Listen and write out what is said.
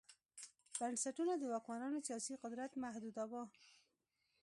بنسټونه د واکمنانو سیاسي قدرت محدوداوه